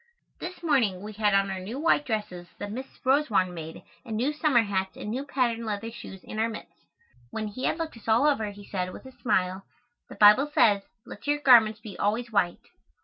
This morning we had on our new white dresses that Miss Rosewarne made and new summer hats and new patten leather shoes and our mitts. When he had looked us all over he said, with a smile, "The Bible says, let your garments be always white."